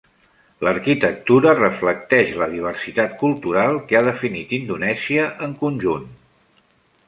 L'arquitectura reflecteix la diversitat cultural que ha definit Indonèsia en conjunt.